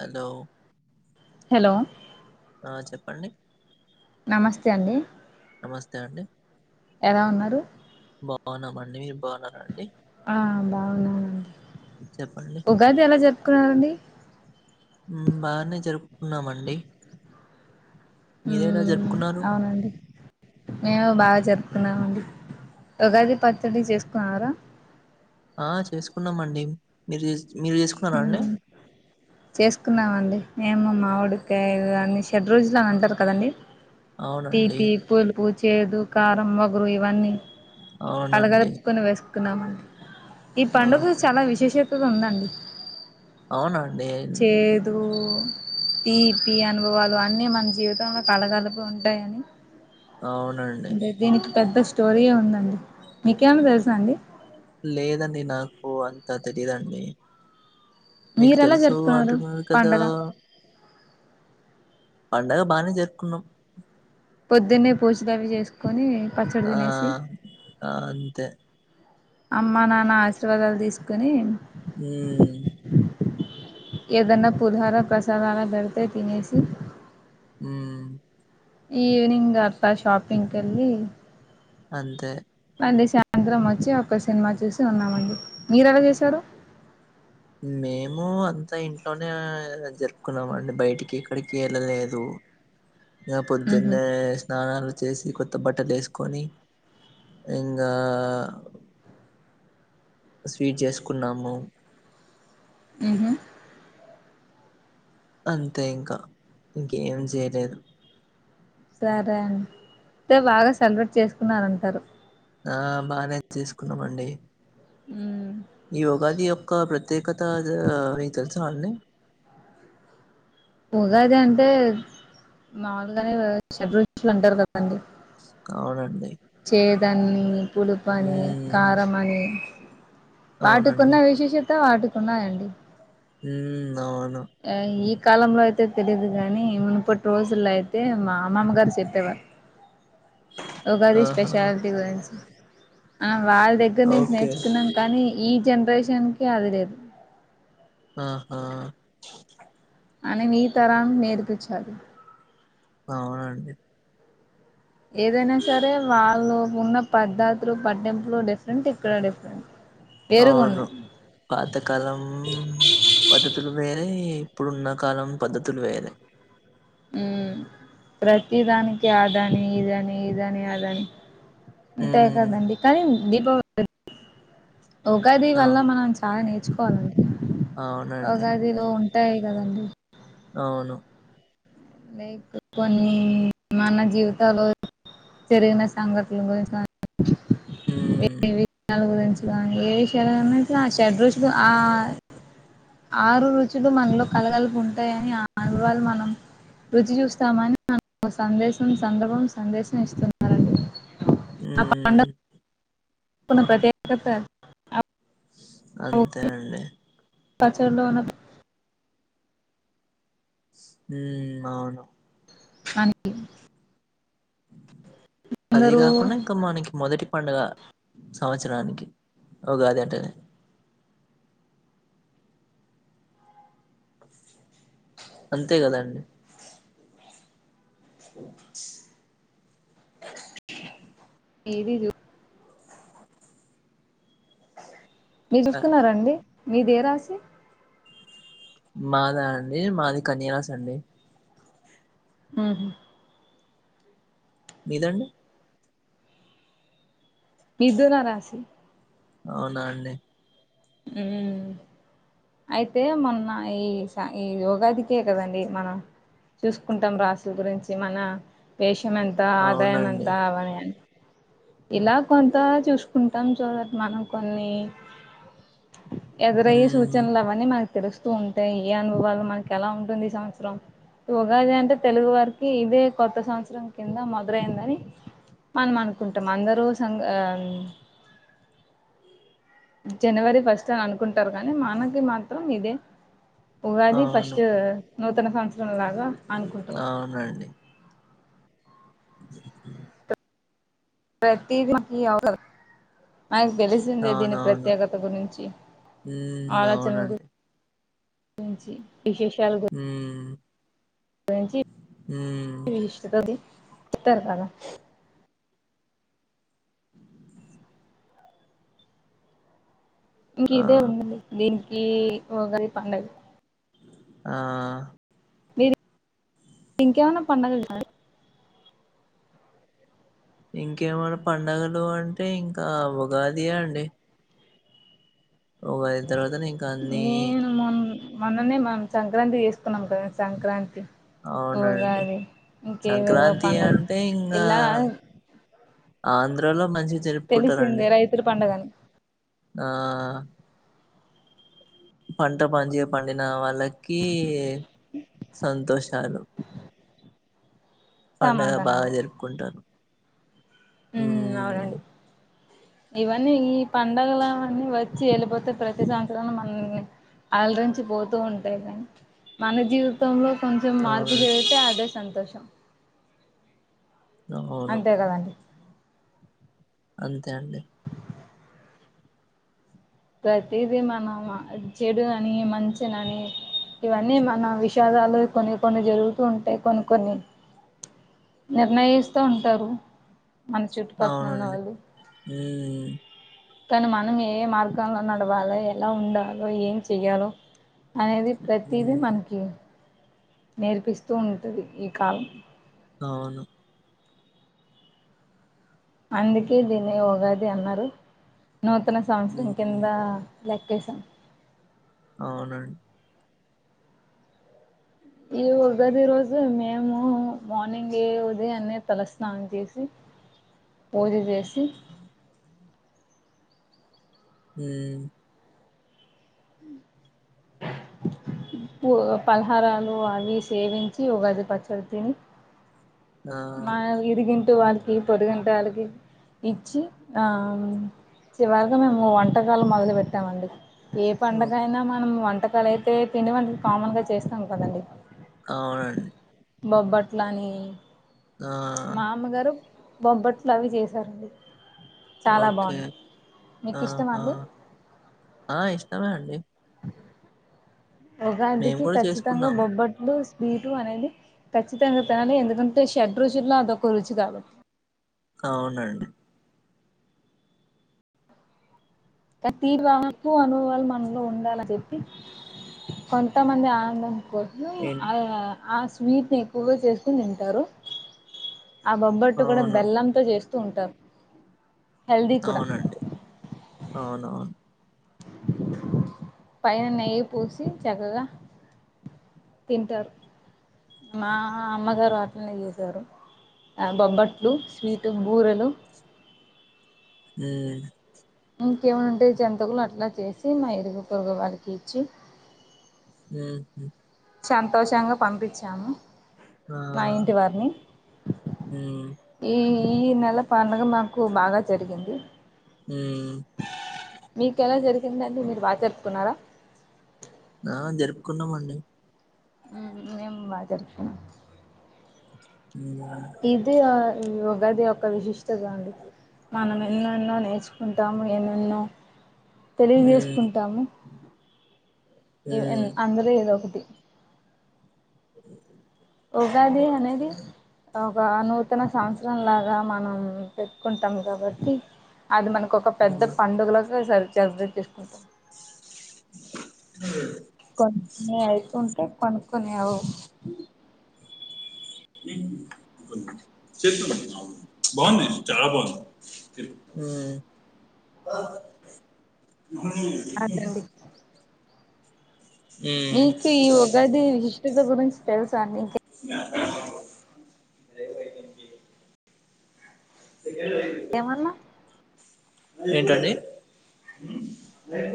Hello hello అండి నమస్తే అండి నమస్తే అండి ఎలా ఉన్నారు బాగున్నామండి బాగున్నారా అండి ఆ బాగునండి చెప్పండి ఉగాది ఎలా జరూప్ క అండి ఉన్నామండి ఉ అవునండి మేము బాగా జరుపు తున్నామండి ఉగాది పచ్చడి చేసుకున్నారా ఆ చేసుకున్నాము అండి మీరు చేసు ఆ చేసుకున్నామండి ఏమో మామిడికాయాలు అని షెడ్ రుచులు అని అంటారు కదండి అవునండి తీపి పులుపు చేదు కారం ఒగురు ఇవన్నీ అవునండి కలగలుపుకొని వేసుకున్నామండి ఈ ఆ పండుగు చాలా విశేషం తు ఉందండి అవునా అండి చేదు తిపి అనుభవాలు అన్ని మన జీవితంలో కలగలపి ఉంటాయని అవునండి అంటే దీనికి పెద్ద స్టోరీయే ఉందండి మీకు ఏమన్నా తెలుసా అండి లేదండి నాకు అంతా తెలిదండి మీకు మీరెలా తెలుసు జరుపుకున్నారు అంటున్నారు కదా పండగ పండగ బానే జరుపుకున్నాము పొద్దున్నే పూజాలు అవి చేసుకొని పచ్చడి నా తినేసి ఆ అంతే అమ్మ నాన్న ఆశీర్వాదాలు తీసుకొని మ్మ్ ఏదన్నా పుధార ప్రసాదాల బెడితే తినేసి ఊ ఈవనింగ్ అత్త షాపింగ్ కెళ్ళి అంతే అనుదే సాయంత్రం వచ్చి ఒక సినిమా చూసి ఉన్నామండి మీరు ఎలా చేశారు ము అంతా ఇంట్లోనే జరుపుకున్నాము అండి బయటికి ఎక్కడికి వెళ్ళలేదు ఇగా ఉహు పొద్దున్నే స్నానాలు చేసి కొత్త బట్టలు వేసుకొని ఇంగా స్వీట్ చేసుకున్నాము ఉహు అంతే ఇంకా ఇంకేం చేయలేదు సరే అండి టే బాగా సెలబ్రేట్ చేసుకున్నారంటారు ఆ బాగానే చేసుకున్నామండి ఉమ్ ఈ ఉగాది ఓక్ కా ప్రత్యేకత అది ఆ మీకు తెలుసా అండి ఉగాది అంటే మాముూలుగానే షడ్రుచులు అంటారు కదా అవునండి దాన్ని పుడుపు అని ఉమ్ కారం అని అవునండి వాటికున్న విశేషత వాటికున్నాయండి ఊమ్ అవును కాలం అయితే తెలిదు గాని మునుపటి రోజుల్లో అయితే మా అమ్మమ్మ గారు చెప్పేవారు ఉగాది ఆహా స్పెషాలిటీ గురించి అ వాళ్ళ దగ్గర నుంచి ఓకే నేర్చుకున్నాం కానీ ఈ జనరేషన్ కి అది లేదు ఆహా అని మీ తరాన్ నేర్పించాలి అవునండి ఏదైనా సరే వాళ్ళు ఉన్న పద్ధార్తులు పట్టింపులు డిఫరెంట్ ఇక్కడ డిఫరెంట్ అవును వేరుగున్నాయి పాతకాలం పద్ధతులు వేరే ఇప్పుడు ఉన్న కాలం పద్ధతులు వేరే ఉ ప్రతి దానికి అదాని ఇదని ఇదని అదని అంతే ఉమ్ కదండి కానీ దీపావళి ఉగాది వల్ల అవును మనం చాలా నేర్చుకోవాలండి అవునండి ఉగాదిలో ఉన్ తాయ్ గాదండి అవును లైక్ కొన్ని మన జీవితాలు జరిగిన సంఘటలన గురించి కాని ఊమ్ గాని ఏ విషాలన్నా ఆ షెడ్ రుచులు ఆ ఆరు రుచులు మనలో కలగలిపి ఉంటాయని ఆడవాళ్ళు మనం రుచి జుస్తామని సందేశం సందర్భం సందేశం ఇస్తున్నారండి మ్ ఆ పండుగకున్న ప్రత్యేకత అప్ అంతే అండి పచ్చడిలో ఉన్న ఉమ్ అవును మనికి అది గాకుండా ఇంకా మనకి మొదటి పండగ సంవచ్చరానికి ఉగాది అంటనే అంతే గదా అండి ఏదిదు మీరు ఆ, జూసుకున్నారండి మీది ఏ రాశి మాదా అండి మాది కన్యరాసి అండి ఒహొ మీదండి మిధున రాశి అవునా అండి ఊ అయితే మొన్న ఈ స ఈ ఉగాదికే కదండి మనం చూసుకుంటాం రాసుల గురించి మన వేషం ఎంత ఆదాయం ఎంత అవునండి అవని అని ఇలా కొంత చూసుకుంటాం సో దట్ మనం కొన్ని ఎదరయ్యె ఉమ్ సూచండ్ల్ అవన్ని మన తెలుస్తూ ఉంటాయ్ ఇ అనుభవాలు మనకి ఎలా ఉంటుంది ఈ సంవత్సరం ఉగాది అంటే తెలుగు వారికి ఇదే కొత్త సంవత్సరం కింద మదరైందని మనమనుకుంటాం అందరూ సంగ ఆ జనవరి ఫస్టు అనుకుంటారు కానీ మనకి మాత్రం ఇదే ఉగాది అవును ఫస్టు నూతన సంవత్సరం లాగా అనుకుంటాం అవునండి ప్రతీది మాకి [unintelligible] నాకి తెలిసిందే దీని అవునవును ప్రత్యేకత గురించి ఉమ్ ఆలోచనల గురిం అవునండి వుంచి ఊ [unintelligible] ఆ ఇంకిదే ఉందండి దీనికి ఉగాది పండగ ఆ మీరు ఇంకేమన్నా పండగలు [unintelligible] అండి ఇంకేమన్నా పండగలు అంటే ఇంక ఉగాదియె అండి ఉగాది తర్వాతనే ఇంకా అన్ని నేను మొన్ మొన్ననే మనం సంక్రాంతి ఏసుకున్నాం కదా సంక్రాంతి అవునండి ఉగాది ఇంకేవేవో సంక్రాంతి పండుగ అంటే ఇంగా ఇలా ఆంధ్రాలో మంచిగ్ జరుప్ కుంటారండి తెలిసిందే రైతుల పండగని ఆ పంట మంచిగ పండిన వాళ్ళకి సంతోషాలు పండగ బాగా సమాధానాలు జరుపుకుంటారు ఉమ్ హుమ్ అవునండి ఇవన్నీ ఈ పండుగలవన్నీ వచ్చి ఎళ్ళిపోతే ప్రతి సంవత్సరంలో మనల్ని అలరించి పోతూ ఉంటాయి కాని మన జీవితంలో కొంచెం మార్పు అవునండి జరిగితే అదే సంతోషం అవును అంతే కదండి అంతే అండి ప్రతిదీ మనం చెడు అని మంచినని ఇవన్నీ మన విషాదాలు కొన్ని కొన్ని జరుగుతూ ఉంటాయి కొన్ని కొన్ని నిర్ణయిస్తూ ఉంటారు మన చుట్టుపక్కన అవునండి ఉన్నవాళ్ళు హ్మ్ కానీ మనం ఏ మార్గంలో నడవాలో ఎలా ఉండాలో ఏం చెయ్యాలో అనేది ప్రతిదీ హ్మ్ మనకి నేర్పిస్తూ ఉంటుది ఈ కాలం అవును అందుకే దీన్ని ఉగాది అన్నారు నూతన సంవత్సరం కింద హ్మ్ లెక్కేశాం అవునం ఈ ఉగాది రోజు మేము మార్నింగే ఉదయాన్నే తలస్నానం చేసి పూజ చేసి ఉమ్ పూ ఫలహారాలు అవి సేవించి ఉగాది పచ్చడి తిని ఆ! మా ఇరుగింటి వాళ్ళకి పొరుగింటి వాళ్ళకి ఇచ్చి ఆ చివరిగా మేము వంటకాలు మొదలు పెట్టాము అండి ఏ పండగ ఓ అయినా మనం వంటకాలు అయితే పిండి వంటలు కామన్ గా చేస్తాం కదండి అవునండి బొబ్బట్లని ఆ! మా అమ్మగారు బొబట్లు అవి చేసారండి ఓకే మీకు ఇష్టమా ఆహా అండి ఆ ఇష్టమే అండి మేము ఉగాదికి గూడా ఖచ్చితంగా చేసుకున్నాము. బొబ్బట్లు స్వీటు అనేది ఖచ్చితంగా తినాలి ఎందుకంటే షడ్ రుచుల్లో అదొక రుచి కాబటి అవునండి కానీ [inaudible] మనలో ఉండాలని చెప్పి కొంతమంది ఆనందం కోసమే ఎన్ ఆ ఆ స్వీట్ ని ఎక్కువగా చేసుకుని తింటారు ఆ బొబ్బట్టు కూడా అవును. బెల్లంతో చేస్తూ ఉంటారు హెల్దీ కూడా అవునా పైన నెయ్యి పూసి చక్కగా తింటారు మా అమ్మగారు అట్లనే చేశారు ఆ బొబ్బట్లు స్వీటు బూరెలు ఊ ఇంకేమై ఉంటే జంతుకులు అట్లా చేసి మా ఇరుగు పొరుగు వారికి ఇచ్చి ఊహూ సంతోషంగా పంపిచ్చాము ఆ! మా ఇంటి వారిని హ్మ్. ఈ నెల పండుగ మాకు బాగా జరిగింది హ్హ్ మ్మ్ ఏంటండి మీరు బాగా జరుపుకున్నారా ఆ జరుపుకున్నామండి ఆ ఏమో వాళ్ళకు తెలుసు హ్మ్. ఇది ఆ అది ఒక విశిష్టత అండి మనం ఎన్నెన్నో నేర్చుకుంటాము ఎన్నెన్నో హ్మ్. తెలియజేసుకుంటాము అందరూ ఏదో ఒకటి [unintelligible] ఉగాది అనేది ఒక నూ తన సంవత్సరంలాగా మనం పెట్టుకుంటాం కాబట్టి అది మనకు ఒక పెద్ద పండుగలగా సెలబ్రేట్ చేసుకుంటాం మ్మ్ హ్ కొన్ని కొన్ని అవుతుంటే కొన్ని కొన్ని అవవు చెప్పు బాగున్నయ్ చాలా బాగున్నయ్ ఆ అదండి మీకు ఈ ఉగాది విశిష్టత గురించి తెలుసా అండి ఎమన్నా ఏంటండి నేను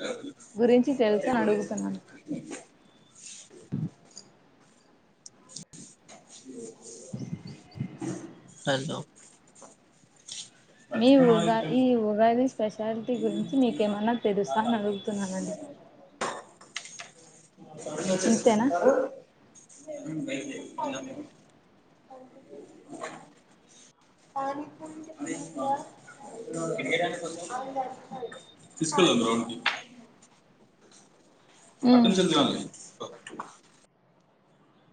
కాదు గురించి తెలుసా అని అడుగుతున్నాను మ్మ్ హలో ఈ ఉగాది స్పెషాలిటీ గురించి మీకేమన్నా తెలుసా అని అడుగుతున్నానండి [unintelligible] పండుగ ఇంతేనా చేసేసుకుంటారు [unintelligible] కానీ అదే తీసుకెళ్ళండి రా అటు నుచ్చేల్లి కానియ్